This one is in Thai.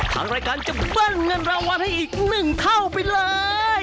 ทางรายการจะเบิ้ลเงินรางวัลให้อีก๑เท่าไปเลย